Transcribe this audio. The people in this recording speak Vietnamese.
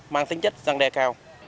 mang tính chất rằng đe cao